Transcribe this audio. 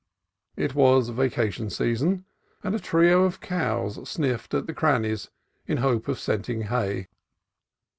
It was vacation season, and a trio of cows sniffed at the crannies in hope of scenting hay.